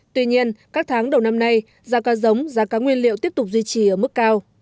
tuy nhiên các tháng đầu năm nay giá cá giống giá cá nguyên liệu tiếp tục duy trì ở mức cao